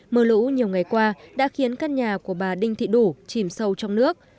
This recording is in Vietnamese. mưa lũ nhiều ngày qua đã khiến căn nhà của bà đinh thị đủ chìm sâu trong nước